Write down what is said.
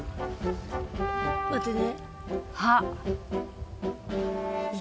待ってね。